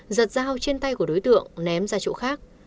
giật dao trên tay của đối tượng ném ra chỗ khác